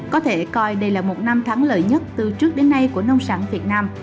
có thể coi đây là một năm thắng lợi nhất từ trước đến nay của nông sản việt nam